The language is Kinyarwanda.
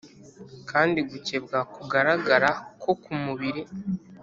kandi gukebwa kugaragara ko ku mubiri